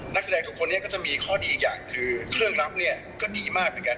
นักแสดงทุกคนเนี่ยก็จะมีข้อดีอีกอย่างคือเครื่องรับเนี่ยก็ดีมากเหมือนกัน